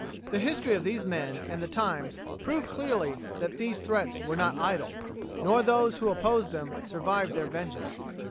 The history of these men and the times prove clearly that these threats were not idle, nor those who opposed them survived their vengeance."